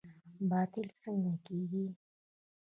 باطل څه کیږي؟